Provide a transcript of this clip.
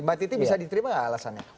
mbak titi bisa diterima nggak alasannya